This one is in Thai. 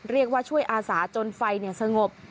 เรียกว่าช่วยอาสาจนไฟสงบ